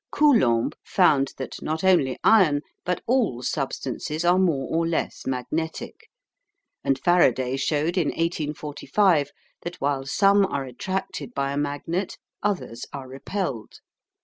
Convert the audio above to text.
Coulomb found that not only iron, but all substances are more or less magnetic, and Faraday showed in 1845 that while some are attracted by a magnet others are repelled.